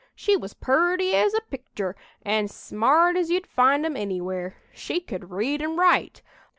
She was purty as a pictur' an' smart as you'd find 'em anywhere. She could read an' write.